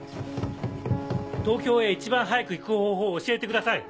東京へ一番早く行く方法を教えてください！